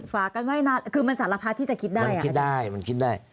ฝากกันไว้นานคือมันสารพัดที่จะคิดได้อ่ะคิดได้มันคิดได้